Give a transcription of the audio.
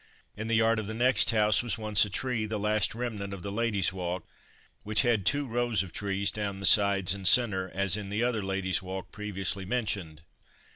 In the yard of the next house was once a tree, the last remnant of the Ladies Walk, which had two rows of trees down the sides and centre as in the other Ladies Walk previously mentioned.